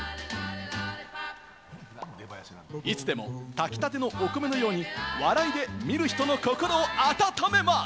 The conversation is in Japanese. いつでも炊きたての米のように、笑いで見る人の心を温めます。